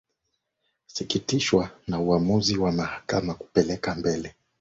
sikitishwa na uwamuzi wa mahakama kupeleka mbele